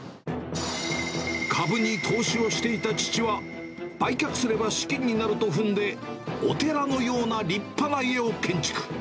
株に投資をしていた父は、売却すれば資金になると踏んで、お寺のような立派な家を建築。